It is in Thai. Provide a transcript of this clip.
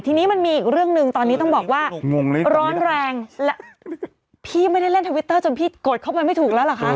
ทีนี้มันมีอีกเรื่องหนึ่งตอนนี้ต้องบอกว่าร้อนแรงและพี่ไม่ได้เล่นทวิตเตอร์จนพี่กดเข้าไปไม่ถูกแล้วเหรอคะ